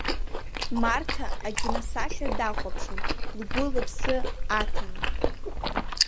Марҭа акиносахьа дахәаԥшуан, лгәы лыԥсы аҭаны.